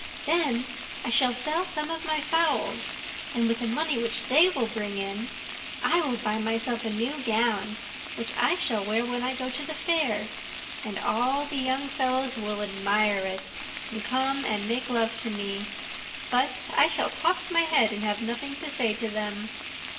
Then I shall sell some of my fowls, and with the money which they will bring in I will buy myself a new gown, which I shall wear when I go to the fair; and all the young fellows will admire it, and come and make love to me, but I shall toss my head and have nothing to say to them."